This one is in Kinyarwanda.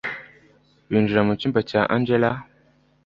binjira mucyumba cya angella